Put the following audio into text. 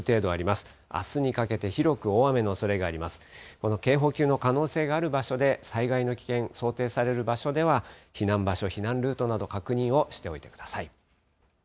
この警報級の可能性がある場所で、災害の危険、想定される場所では、避難場所、避難ルートなど、確認をしておいてください。